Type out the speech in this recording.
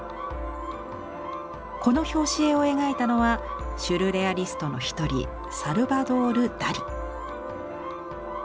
この表紙絵を描いたのはシュルレアリストの一人サルヴァドール・ダリ。